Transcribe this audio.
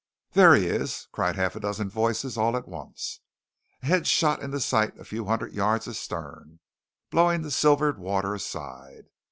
"There he is!" cried a half dozen voices all at once. A head shot into sight a few hundred yards astern, blowing the silvered water aside.